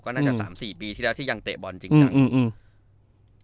ก็น่าจะ๓๔ปีที่แล้วที่ยังเตะบอลจริง